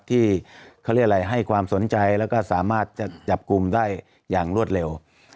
ที่เขาเรียกอะไรให้ความสนใจแล้วก็สามารถจะจับกลุ่มได้อย่างรวดเร็ว